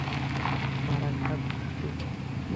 মারা খা, কুত্তি?